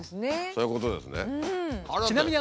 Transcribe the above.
そういうことですね。